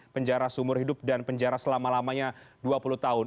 penjara seumur hidup dan penjara selama lamanya dua puluh tahun